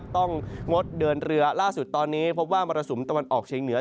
งดเดินเรือล่าสุดตอนนี้พบว่ามรสุมตะวันออกเชียงเหนือ